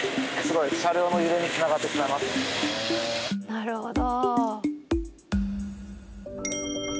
なるほど。